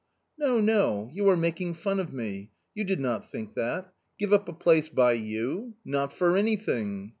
" No, no, you are making fun of me ; you did not think that ; give up a place by you — not for anything